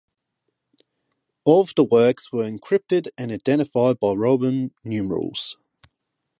All of the works were encrypted and identified by Roman numerals.